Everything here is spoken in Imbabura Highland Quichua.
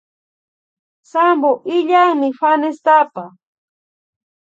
Sampo illanmi fanestapa